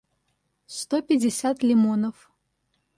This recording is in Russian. сто пятьдесят лимонов